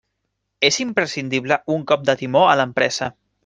És imprescindible un cop de timó a l'empresa.